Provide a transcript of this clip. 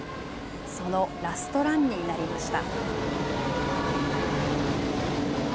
そのラストランになりました。